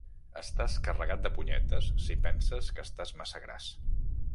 Estàs carregat de punyetes si penses que estàs massa gras.